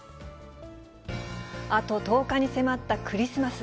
あと１０日に迫ったクリスマス。